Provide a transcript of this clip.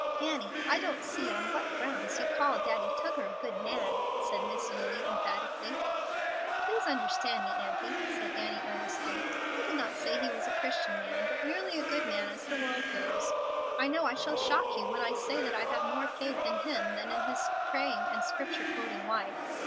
"Annie, I don't see on what grounds you call Daddy Tuggar a good man," said Miss Eulie, emphatically. "Please understand me, aunty," said Annie, earnestly. "I did not say he was a Christian man, but merely a good man as the world goes; and I know I shall shock you when I say that I have more faith in him than in his praying and Scripture quoting wife.